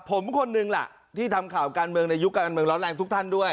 ผมคนหนึ่งล่ะที่ทำข่าวการเมืองในยุคการเมืองร้อนแรงทุกท่านด้วย